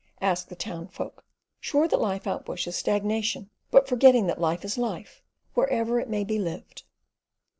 ask the townsfolk, sure that life out bush is stagnation, but forgetting that life is life wherever it may be lived.